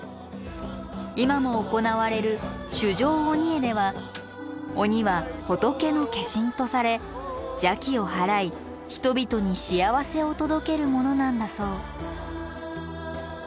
今も行われる修正鬼会では鬼は仏の化身とされ邪気を祓い人々に幸せを届けるものなんだそう。